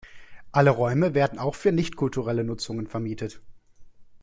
Alle Räume werden auch für nicht-kulturelle Nutzungen vermietet.